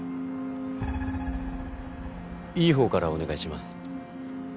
いいほうからお願いします。